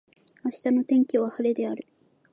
明日の天気は晴れである。